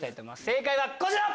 正解はこちら！